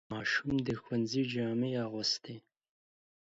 ماشوم د ښوونځي جامې اغوستېږي.